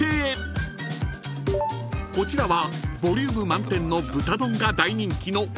［こちらはボリューム満点の豚丼が大人気の］